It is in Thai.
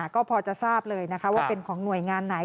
ก็พอจะทราบเลยว่าเป็นของหน่วยงานไหน